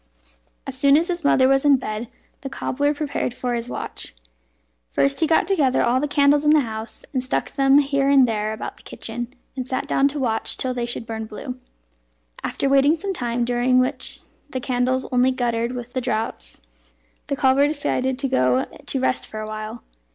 As soon as his mother was in bed, the cobbler prepared for his watch. First he got together all the candles in the house, and stuck them here and there about the kitchen, and sat down to watch till they should burn blue. After waiting some time, during which the candles only guttered with the draughts, the cobbler decided to go to rest for a while.